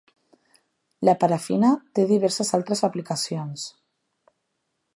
La parafina té diverses altres aplicacions.